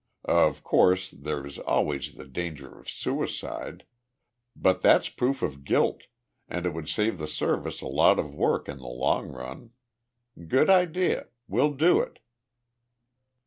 Of course, there's always the danger of suicide but that's proof of guilt, and it would save the Service a lot of work in the long run. Good idea! We'll do it."